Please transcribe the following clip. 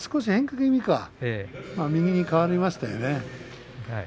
気味右に変わりましたよね。